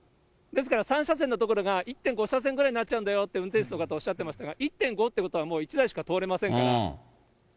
ですから３車線の所が１．５車線ぐらいになっちゃうんだよって、運転手の方おっしゃってましたから、１．５ってことは、もう１台しか通れませんから。